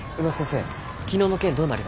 昨日の件どうなりました？